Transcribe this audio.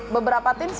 beberapa tim seperti itu